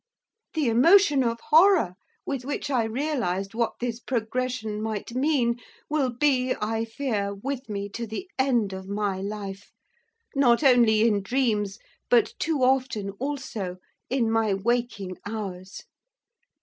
The emotion of horror with which I realised what this progression might mean, will be, I fear, with me to the end of my life, not only in dreams, but too often, also, in my waking hours.